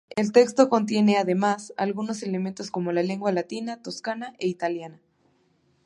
El texto contiene además algunos elementos de la lengua latina, toscana e italiana.